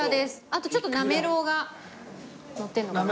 あとちょっとなめろうがのってるのかな。